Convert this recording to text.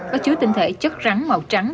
có chứa tinh thể chất rắn màu trắng